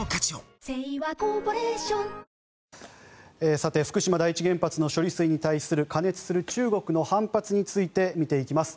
さて福島第一原発の処理水に対する過熱する中国の反発について見ていきます。